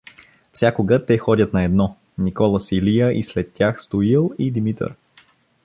Всякога те ходят наедно: Никола с Илия и след тях Стоил и Димитър.